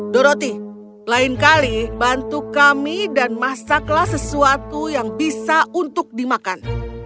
doroti lain kali bantu kami dan masaklah sesuatu yang bisa untuk dimakan